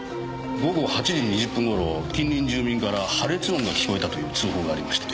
午後８時２０分頃近隣住民から破裂音が聞こえたという通報がありまして。